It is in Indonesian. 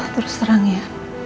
terus terang ya